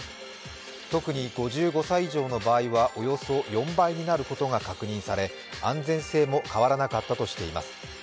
特に５５歳以上の場合はおよそ４倍になることが確認され、安全性も変わらなかったとしています。